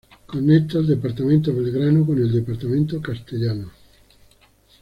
Conecta el departamento Belgrano con el departamento Castellanos.